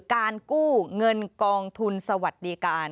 การกู้เงินกองทุนสวัสดิการ